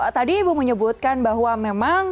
tadi ibu menyebutkan bahwa memang